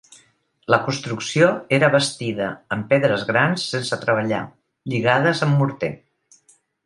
La construcció era bastida en pedres grans sense treballar lligades amb morter.